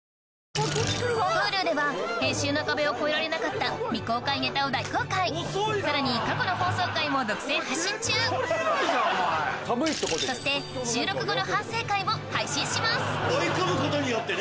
Ｈｕｌｕでは編集の壁を越えられなかった未公開ネタを大公開さらに過去の放送回も独占配信中そして追い込むことによってね。